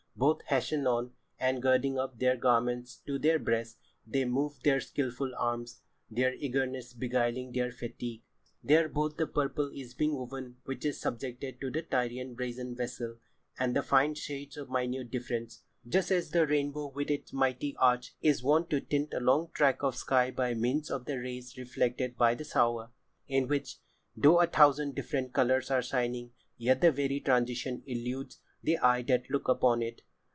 Both hasten on, and girding up their garments to their breasts, they move their skilful arms, their eagerness beguiling their fatigue. There both [Pg 86] the purple is being woven, which is subjected to the Tyrian brazen vessel, and fine shades of minute difference; just as the rainbow, with its mighty arch, is wont to tint a long tract of sky by means of the rays reflected by the shower; in which, though a thousand different colours are shining, yet the very transition eludes the eyes that look upon it....